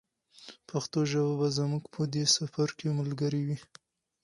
پښتو ژبه به زموږ په دې سفر کې ملګرې وي.